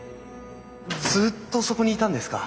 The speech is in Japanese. ずっとそこにいたんですか？